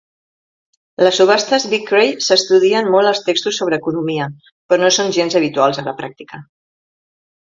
Les subhastes Vickrey s'estudien molt als textos sobre economia, però no són gens habituals a la pràctica.